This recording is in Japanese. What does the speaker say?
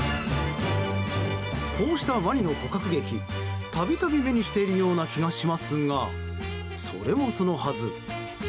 こうしたワニの捕獲劇たびたび目にしているような気がしますがそれもそのはず